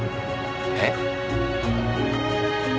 えっ？